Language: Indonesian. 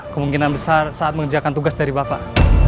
kemungkinan besar saat mengerjakan tugas dari bapak